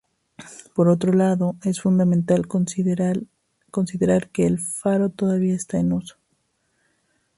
Por otro lado, es fundamental considerar que el faro todavía está en uso.